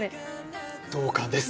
同感です。